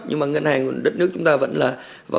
nhưng mà ngân hàng của đất nước chúng ta vẫn là